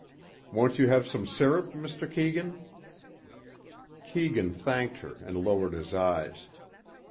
"Won't you have some syrup, Mr. Keegan." Keegan thanked her and lowered his eyes.